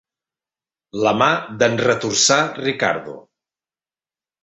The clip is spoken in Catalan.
La mà d'en retorçar Ricardo.